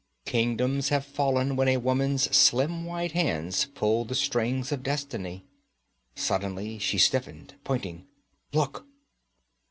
Kingdoms have fallen when a woman's slim white hands pulled the strings of destiny. Suddenly she stiffened, pointing. 'Look!'